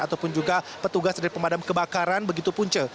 ataupun juga petugas dari pemadam kebakaran begitu punca